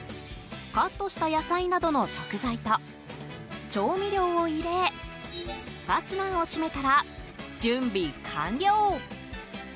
カットした野菜などの食材と調味料を入れファスナーを閉めたら準備完了。